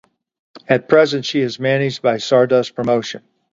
At present, she is managed by Stardust Promotion.